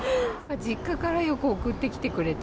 実家からよく送ってきてくれて。